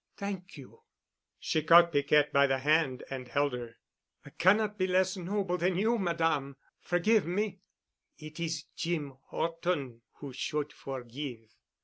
"Thank you." She caught Piquette by the hand and held her. "I cannot be less noble than you, Madame. Forgive me." "It is Jeem 'Orton who should forgive."